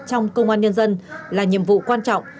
trong công an nhân dân là nhiệm vụ quan trọng